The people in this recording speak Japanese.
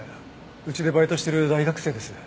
うちでバイトしてる大学生です。